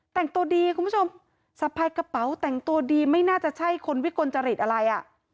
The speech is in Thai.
แต่งตัวดีคุณผู้ชมสะพายกระเป๋าแต่งตัวดีไม่น่าจะใช่คนวิกลจริตอะไรอ่ะ